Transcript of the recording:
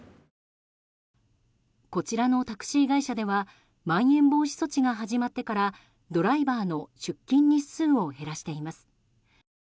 こちらのタクシー会社ではまん延防止措置が始まってからドライバーの出勤日数を減らしています。